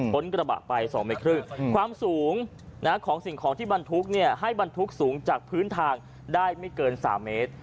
กระบะไป๒เมตรครึ่งความสูงของสิ่งของที่บรรทุกให้บรรทุกสูงจากพื้นทางได้ไม่เกิน๓เมตร